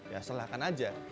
ya silakan saja